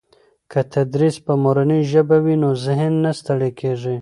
که تدریس په مورنۍ ژبه وي نو ذهن نه ستړي کېږي.